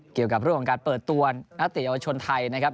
เกี่ยวกับเรื่องของการเปิดตัวนักเตะเยาวชนไทยนะครับ